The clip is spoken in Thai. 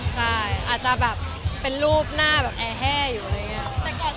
ใช่อาจจะแบบเป็นรูปหน้าแบบแอร์แห้อยู่อะไรอย่างนี้